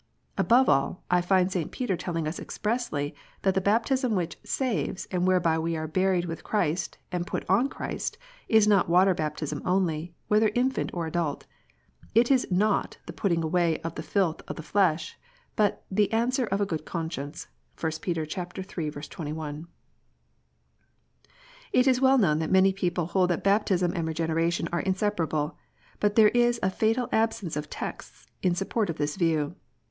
Above all, I find St. Peter telling us expressly, that the baptism which " saves," and whereby we are buried with Christ, and put on Christ, is not water baptism only, whether infant or adult. It is " not " the putting away of the filth of the flesh, but the " answer of a good conscience." l^Peter iii. 21.) it is well known that many people hold that baptism and Regeneration are inseparable ; but there is a fatal absence of texts in support of this view.